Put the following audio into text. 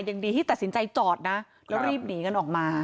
ยังดีที่ตัดสินใจจอดนะแล้วรีบหนีกันออกมา